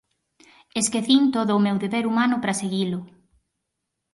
Esquecín todo o meu deber humano para seguilo.